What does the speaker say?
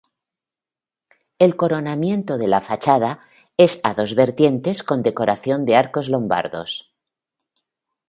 El coronamiento de la fachada es a dos vertientes con decoración de arcos lombardos.